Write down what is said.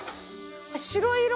白色。